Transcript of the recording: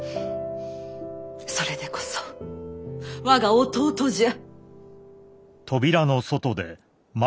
それでこそ我が弟じゃ！